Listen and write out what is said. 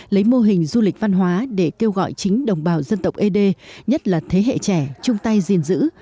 lấy mô hình du lịch văn hóa để kêu gọi chính đồng bào dân tộc ế đê nhất là thế hệ trẻ chung tay gìn giữ